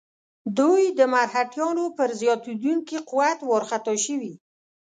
دوی د مرهټیانو پر زیاتېدونکي قوت وارخطا شوي.